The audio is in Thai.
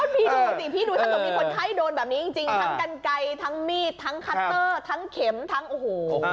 พี่ดูสิพี่ดูถ้าเกิดมีคนไข้โดนแบบนี้จริงทั้งกันไกลทั้งมีดทั้งคัตเตอร์ทั้งเข็มทั้งโอ้โห